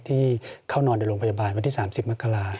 ที่เข้านอนในโรงพยาบาลวันที่๓๐มกรา